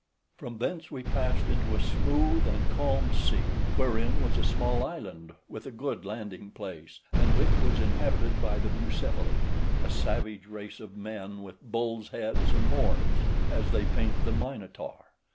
From thence we passed into a smooth and calm sea, wherein was a small island with a good landing place, and which was inhabited by the Bucephali: a savage race of men, with bulls' heads and horns, as they paint the minotaur.